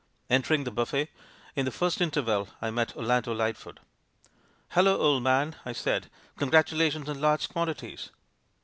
Entering the buffet, in the first interval, I met Orlando Lightfoot. *'Hallo, old man!" I said. "Congratulations in large quantities."